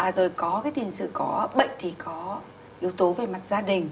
rồi có tiền sử có bệnh thì có yếu tố về mặt gia đình